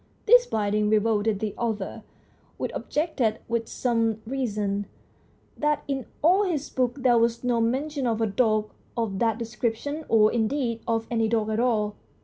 This binding revolted the author, who objected, with some reason, that in all his book there was no mention of a dog of that description, or, indeed, of any dog at all.